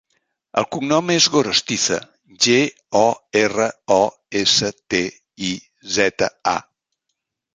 El cognom és Gorostiza: ge, o, erra, o, essa, te, i, zeta, a.